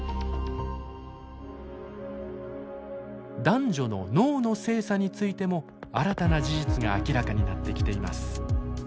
男女の脳の性差についても新たな事実が明らかになってきています。